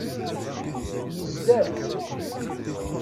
Yezder.